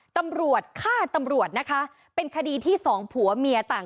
ตำรวจฆ่าตำรวจนะคะเป็นคดีที่สองผัวเมียต่าง